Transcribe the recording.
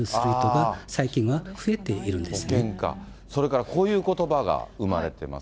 それからこういうことばが生まれてます。